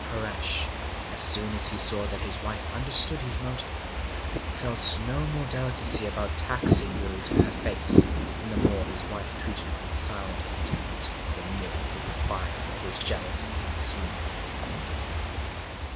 Paresh, as soon as he saw that his wife understood his motive, felt no more delicacy about taxing Gouri to her face; and the more his wife treated it with silent contempt, the more did the fire of his jealousy consume him.